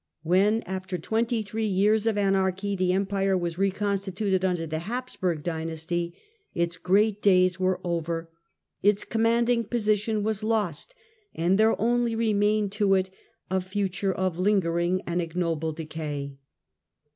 When, after twenty three years of anarchy, the Empire was reconstituted under the Habsburg dynasty, its great days were over, its commanding position was lost, and there only remained to it a future of lingering and ignoble decay.